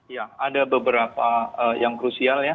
ya ada beberapa yang krusial ya